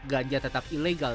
ganja tetap ilegal